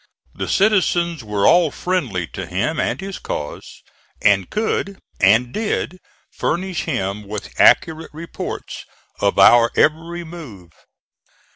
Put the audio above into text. The citizens were all friendly to him and his cause, and could and did furnish him with accurate reports of our every move.